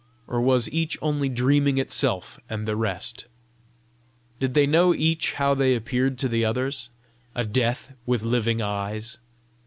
Or was each only dreaming itself and the rest? Did they know each how they appeared to the others a death with living eyes?